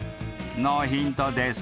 ［ノーヒントです］